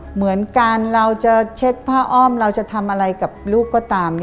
เหมือนกันเราจะเช็ดผ้าอ้อมเราจะทำอะไรกับลูกก็ตาม